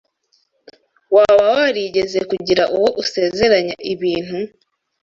WABA warigeze kugira uwo usezeranya ibintu